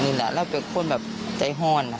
นี่แหละแล้วเป็นคนแบบใจห้อน